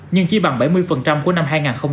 nhưng chỉ bằng bảy mươi của năm hai nghìn một mươi ba